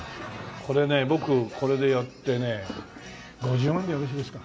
これね僕これでやってね５０万でよろしいですか？